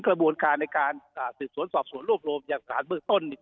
กระบวนการในการติดสวนสอบสวนรวบรวมอย่างศาลเบื้อต้น